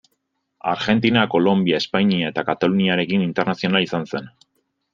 Argentina, Kolonbia, Espainia eta Kataluniarekin internazionala izan zen.